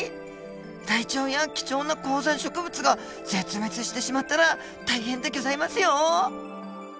ライチョウや貴重な高山植物が絶滅してしまったら大変でギョざいますよ！